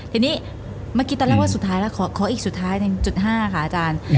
ทีนี้เมื่อกี้ตอนแรกว่าสุดท้ายแล้วขออีกสุดท้าย๑๕ค่ะอาจารย์